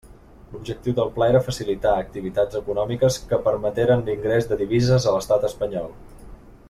L'objectiu del pla era facilitar activitats econòmiques que permeteren l'ingrés de divises a l'Estat espanyol.